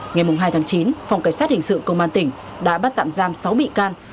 ngày hai tháng chín phòng cảnh sát hình sự công an tỉnh đã bắt tạm giam sáu bị can